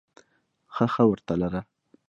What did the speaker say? ښه ښه ورته لره !